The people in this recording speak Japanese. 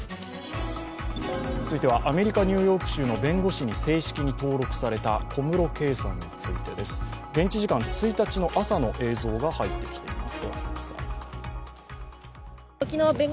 続いては、アメリカ・ニューヨーク州の弁護士に正式に登録された小室圭さんについてです。現地時間１日の朝の映像が入ってきています。